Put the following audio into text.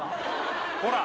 ほら。